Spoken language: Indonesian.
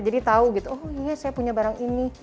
jadi tahu gitu oh iya saya punya barang ini